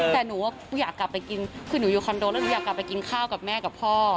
แต่หนูว่าอยากกลับไปกินคือหนูอยู่คอนโดแล้วหนูอยากกลับไปกินข้าวกับแม่กับพ่อ